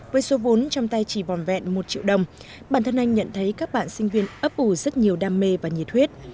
với số vốn trong tay chỉ vòn vẹn một triệu đồng bản thân anh nhận thấy các bạn sinh viên ấp ủ rất nhiều đam mê và nhiệt huyết